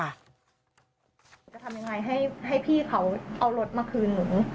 จะทำยังไงให้พี่เขาเอารถมาคืนหนู